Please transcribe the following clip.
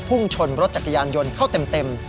พุ่งชนรถจักรยานยนต์เข้าเต็ม